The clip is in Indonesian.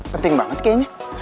penting banget kayaknya